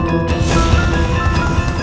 aku akan menjaga mereka